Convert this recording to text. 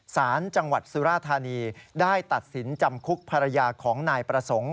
สารจังหวัดสุราธานีได้ตัดสินจำคุกภรรยาของนายประสงค์